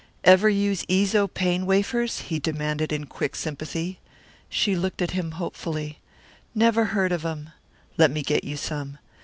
"Ever use Eezo Pain Wafers?" he demanded in quick sympathy. She looked at him hopefully. "Never heard of 'em." "Let me get you some."